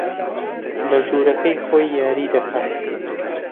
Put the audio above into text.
لە ژوورەکەی خۆی یاری دەکات.